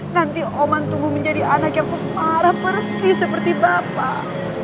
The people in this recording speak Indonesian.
nanti oman tumbuh menjadi anak yang parah persis seperti bapak